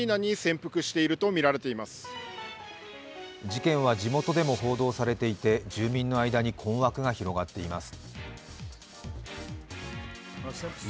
事件は地元でも報道されていて住民の間に困惑が広がっています。